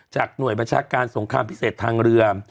หน่วยบัญชาการสงครามพิเศษทางเรือ